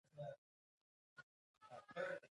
تر ټولو لوی پاڅون انقلاب و.